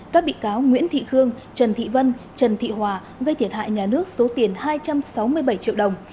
các bị cáo nguyễn thị khương trần thị vân trần thị hòa gây thiệt hại nhà nước số tiền hai trăm sáu mươi bảy triệu đồng